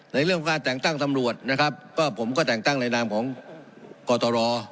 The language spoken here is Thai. เรื่องการแต่งตั้งตำรวจนะครับก็ผมก็แต่งตั้งในนามของกตร